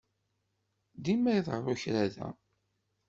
Dima iḍerru kra da.